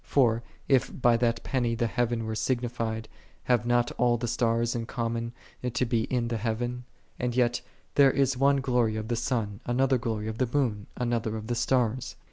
For, if by that penny the heaven were signified, have not all the stars in common to be in the heaven? And yet, " There is one glory of the sun, another glory of the moon, another of the stars."